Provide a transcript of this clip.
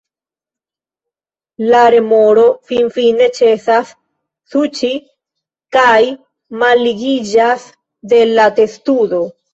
La remoro finfine ĉesas suĉi, kaj malligiĝas de la testudo.